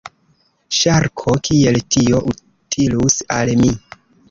Ŝarko: "Kiel tio utilus al mi?"